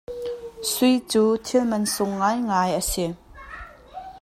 Sui cu thil man sung ngaingai a si.